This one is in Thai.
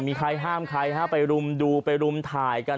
มีใครห้ามใครฮะไปรุมดูไปรุมถ่ายกัน